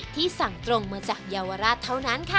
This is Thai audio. ที่สั่งตรงมาจากเยาวราชเท่านั้นค่ะ